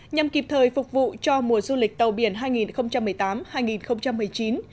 nhằm kịp thời phục vụ cho mùa du lịch tàu biển hai nghìn một mươi tám hai nghìn một mươi chín